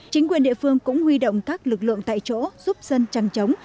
chính quyền địa phương cũng huy động các lực lượng tại chỗ giúp dân trăng chống